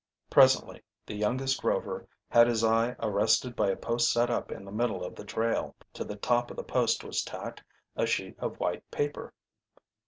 Presently the youngest Rover had his eye arrested by a post set up in the middle of the trail. To the top of the post was tacked a sheet of white paper.